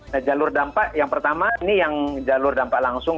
nah jalur dampak yang pertama ini yang jalur dampak langsung